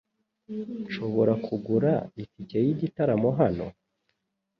Nshobora kugura itike yigitaramo hano?